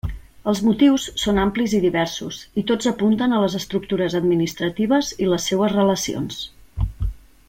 Els motius són amplis i diversos, i tots apunten a les estructures administratives i les seues relacions.